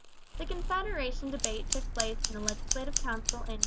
The Confederation debate took place in the Legislative Council in 1870.